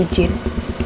eggsah lagi tnk eror